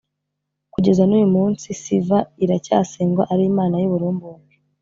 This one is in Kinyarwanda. kugeza n’uyu munsi, siva iracyasengwa ari imana y’uburumbuke